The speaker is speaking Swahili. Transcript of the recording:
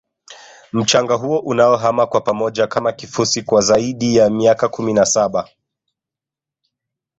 mchanga huo unaohama kwa pamoja Kama kifusi kwa zaidi ya miaka kumi na saba